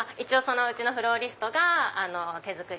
うちのフローリストが手作りで。